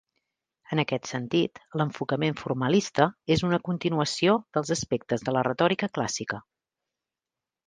En aquest sentit, l'enfocament formalista és una continuació dels aspectes de la retòrica clàssica.